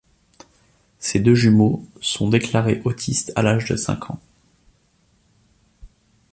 Ses deux jumeaux sont déclarés autistes à l'âge de cinq ans.